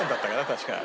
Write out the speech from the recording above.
確か。